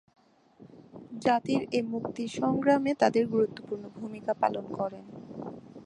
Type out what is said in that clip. জাতির এ মুক্তি সংগ্রামে তাঁরা গুরুত্বপূর্ণ ভূমিকা পালন করেন।